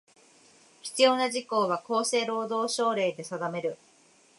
必要な事項は、厚生労働省令で定める。